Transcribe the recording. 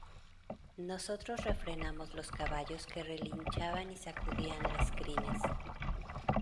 nosotros refrenamos los caballos que relinchaban y sacudían las crines.